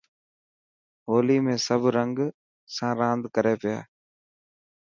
هولي ۾ سڀ رنگ سان راند ڪري ٿا.